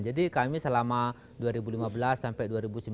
jadi kami selama dua ribu lima belas sampai dua ribu sembilan belas